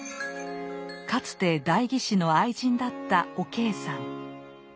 かつて代議士の愛人だったお計さん。